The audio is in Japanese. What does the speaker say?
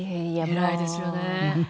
偉いですよね。